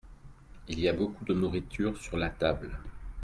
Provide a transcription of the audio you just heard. Il y a beaucoup de nourriture sur la table.